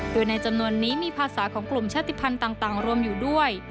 โดยในจำนวนนี้มีภาษาของกลุ่มชาติภัณฑ์ต่างรวมอยู่ด้วย